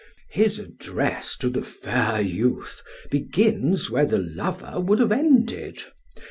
His address to the fair youth begins where the lover would have ended.